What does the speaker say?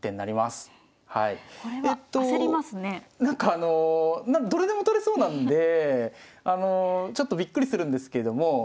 何かあのどれでも取れそうなんでちょっとびっくりするんですけども。